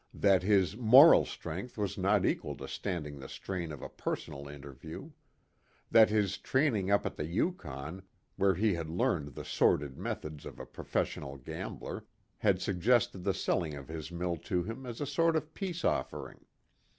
That his moral strength was not equal to standing the strain of a personal interview. That his training up at the Yukon, where he had learned the sordid methods of a professional gambler, had suggested the selling of his mill to him as a sort of peace offering.